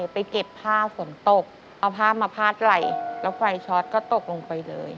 ไปเก็บผ้าฝนตกเอาผ้ามาพาดไหล่แล้วไฟช็อตก็ตกลงไปเลย